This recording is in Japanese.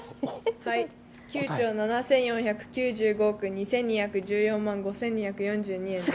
正解は９兆７４９５億２２１４万５２４２円です。